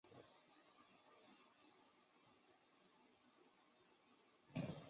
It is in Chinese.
圣维克托人口变化图示